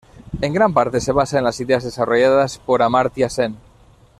En gran parte, se basa en las ideas desarrolladas por Amartya Sen.